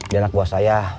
dia anak buah saya